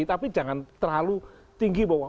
tapi jangan terlalu tinggi bahwa